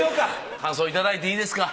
感想いただいていいですか。